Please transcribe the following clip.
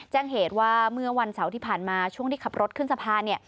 แจ้งเหตุว่าเมื่อวันเสาร์ที่ผ่านมาช่วงที่ขับรถขึ้นสะพานเนี่ย